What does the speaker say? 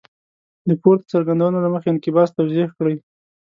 د پورته څرګندونو له مخې انقباض توضیح کړئ.